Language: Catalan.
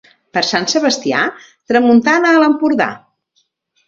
Per Sant Sebastià, tramuntana a l'Empordà.